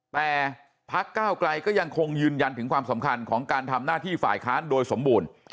แต่พักเก้าไกลก็ยังคงยืนยันถึงความสำคัญของการทำหน้าที่ฝ่ายค้านโดยสมบูรณ์